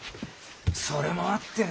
それもあってね。